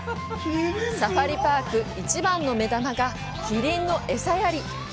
サファリパーク一番の目玉がキリンの餌やり。